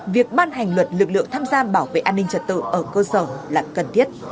việc ban hành luật lực lượng tham gia bảo vệ an ninh trật tự ở cơ sở là cần thiết